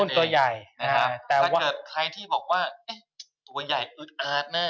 ถ้าเกิดใครที่บอกว่าตัวใหญ่อึดอาดน่ะ